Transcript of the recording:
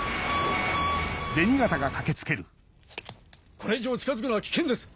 これ以上近づくのは危険です！